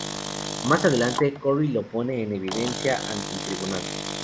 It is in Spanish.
Más adelante, Corey lo pone en evidencia ante el tribunal.